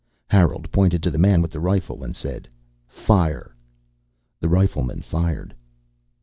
Harold pointed to the man with the rifle and said, "Fire!" The rifleman fired.